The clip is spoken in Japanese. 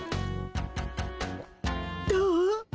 どう？